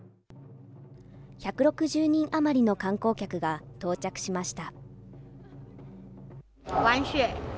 １６０人余りの観光客が到着しました。